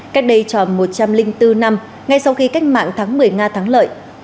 cách đây tròn một trăm linh bốn năm ngay sau khi cách mạng tháng một mươi nga thắng lợi